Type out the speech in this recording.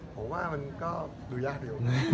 ผมว่ามันก็ดูยากอยู่นะ